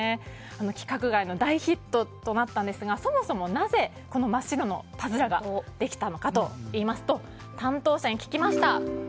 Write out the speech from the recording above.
規格外の大ヒットとなったんですがそもそもなぜ、この真っ白なパズルができたのかといいますと担当者に聞きました。